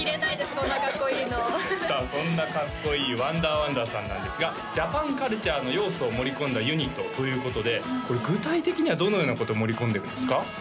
こんなかっこいいのさあそんなかっこいいＷＯＮＤＥＲ∞ＷＡＮＤＥＲさんなんですがジャパンカルチャーの要素を盛り込んだユニットということでこれ具体的にはどのようなこと盛り込んでるんですか？